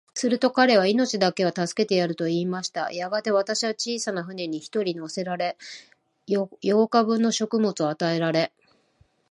すると彼は、命だけは助けてやる、と言いました。やがて、私は小さな舟に一人乗せられ、八日分の食物を与えられ、